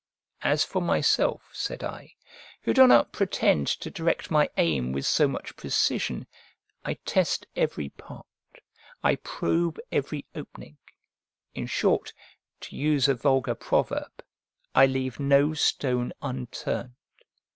As for myself, said I, who do not pretend to direct my aim with so much precision, I test every part, I probe every opening; in short, to use a vulgar proverb, I leave no stone unturned.